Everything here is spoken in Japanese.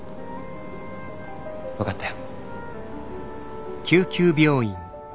分かったよ。